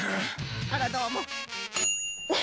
あらどうも。